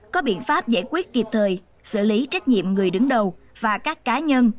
có biện pháp giải quyết kịp thời xử lý trách nhiệm người đứng đầu và các cá nhân